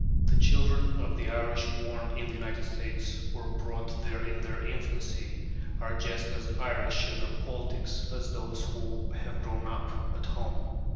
The children of the Irish born in the United States or brought there in their infancy are just as Irish in their politics as those who have grown up at home.